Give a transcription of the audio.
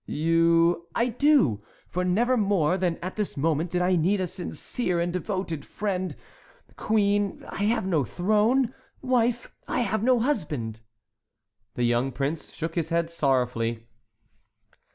"You"— "I do; for never more than at this moment did I need a sincere and devoted friend. Queen, I have no throne; wife, I have no husband!" The young prince shook his head sorrowfully.